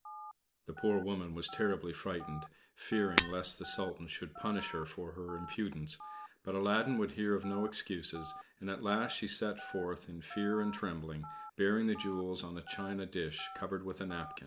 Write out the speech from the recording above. The poor woman was terribly frightened, fearing lest the Sultan should punish her for her impudence; but Aladdin would hear of no excuses, and at last she set forth in fear and trembling, bearing the jewels on a china dish covered with a napkin.